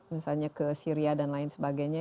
misalnya ke syria dan lain sebagainya